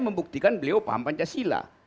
membuktikan beliau paham pancasila